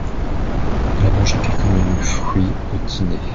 Il a mangé quelques menus fruits au dîner.